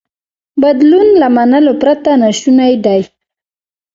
بدلون له منلو پرته ناشونی دی.